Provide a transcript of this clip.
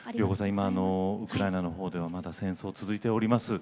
今ウクライナのほうではまだ戦争続いております。